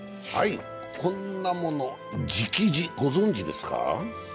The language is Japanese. こんなもの、直指ご存じですか？